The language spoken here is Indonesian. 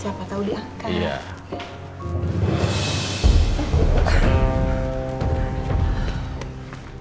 kamu kenapa terjadi labikan sekolah kami